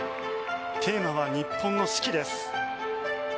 テーマは日本の四季です。